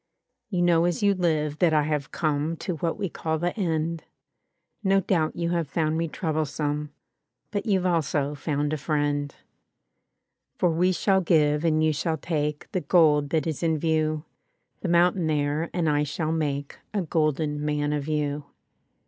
"You know as you live that I have come To what we call the end. No doubt you have found me troublesome. But you've also found a friend; "For we shall give and you shall take The gold that is in view; The mountain there and I shall make A golden man of you.